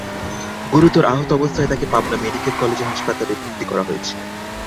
গুরুতর আহত অবস্থায় তাঁকে পাবনা মেডিকেল কলেজ হাসপাতালে ভর্তি করা হয়েছে।